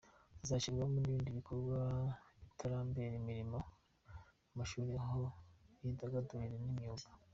Hazashyirwamo n’ibindi bikorwa by’itarambere birimo amashuri, aho bidagadurira n’imyuga.